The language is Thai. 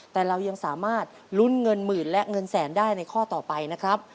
แต่เรายังสามารถลุ้นเงินหมื่นและเงินแสนได้ในข้อต่อไปนะครับ